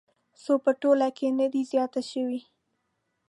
خو په ټوله کې نه ده زیاته شوې